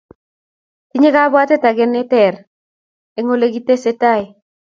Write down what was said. tinyei kabwatet age neter eng olegitesetai